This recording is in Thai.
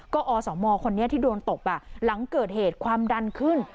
ก็อสมคนนี้ที่โดนตบหลังเกิดเหตุความดันขึ้น